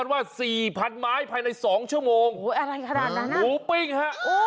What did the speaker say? ว่าสี่พันไม้ภายในสองชั่วโมงโอ้โหอะไรขนาดนั้นอ่ะหมูปิ้งฮะ